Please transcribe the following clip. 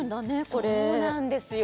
これそうなんですよ